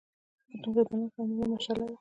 دومره درنښت او مینه یې مشغله ده.